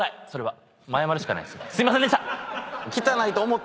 すいませんでした！